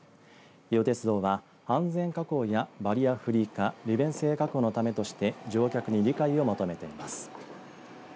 伊予鉄道は安全確保やバリアフリー化利便性確保のためとして乗客に理解を求めています。